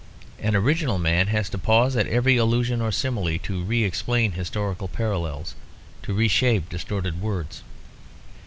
An original man has to pause at every allusion or simile to re explain historical parallels, to re shape distorted words.